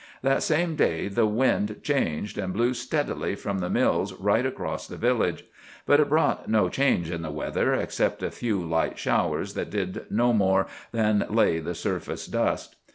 That same day the wind changed, and blew steadily from the mills right across the village. But it brought no change in the weather, except a few light showers that did no more than lay the surface dust.